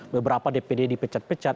beberapa dpd dipecat pecat